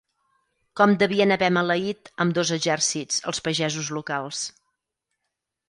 Com devien haver maleït, ambdós exèrcits, els pagesos locals